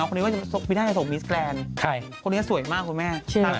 สวยมากคุณแม่หน้าสวยหน้าเจ